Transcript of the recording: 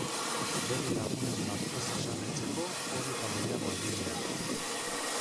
Bere lagunen bat ez haserretzeko hori eta gehiago egin behar!